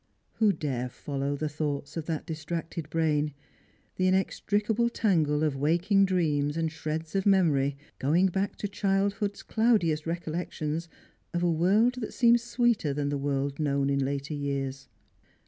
Who dare follow the thoughts of that distracted brain, the inextrica ble tangle of waking dreams and shreds of memory, going back to childhood's cloudiest recollections of a world that seemed sweeter than the world known in later years